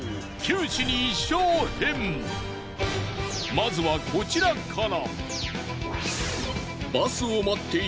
まずはこちらから。